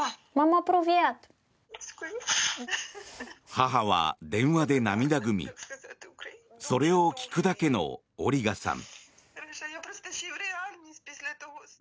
母は電話で涙ぐみそれを聞くだけのオリガさん。